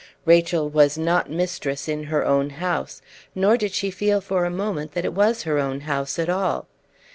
Rachel was not mistress in her own house, nor did she feel for a moment that it was her own house at all.